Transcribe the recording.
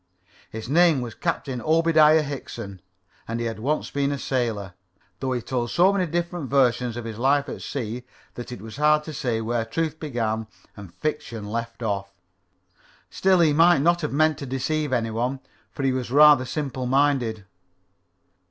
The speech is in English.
His name was Captain Obediah Hickson and he had once been a sailor, though he told so many different versions of his life at sea, that it was hard to say where truth began and fiction left off. Still he might not have meant to deceive any one, for he was rather simple minded.